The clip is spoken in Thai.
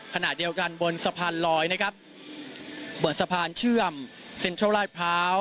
ขณะเดียวกันบนสะพานลอยนะครับบนสะพานเชื่อมเซ็นทรัลลาดพร้าว